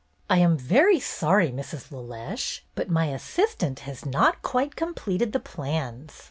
"I am very sorry, Mrs. LeLeche, but my assistant has not quite completed the plans.